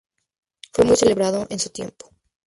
Fue muy celebrado en su tiempo.